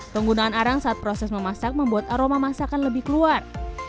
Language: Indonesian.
penggunaan arang saat proses memasak membuat aroma masakan lebih keluar